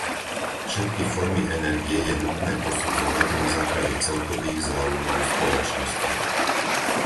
Všetky formy energie je nutné posudzovať na základe celkových záujmov spoločnosti.